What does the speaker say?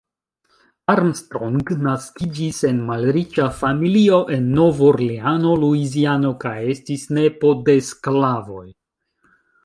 Armstrong naskiĝis en malriĉa familio en Nov-Orleano, Luiziano, kaj estis nepo de sklavoj.